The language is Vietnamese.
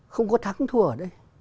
không có thắng thua ở đây